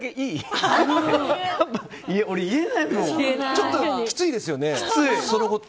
ちょっときついですよね。